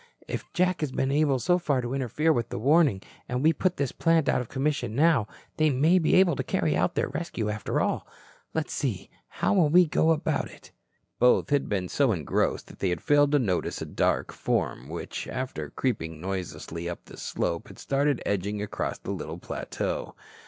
If Jack has been able so far to interfere with the warning, and we put this plant out of commission now, they may be able to carry out their rescue after all. Let's see. How will we go about it?" Both had been so engrossed they had failed to notice a dark form which, after creeping noiselessly up the slope, had started edging across the little plateau.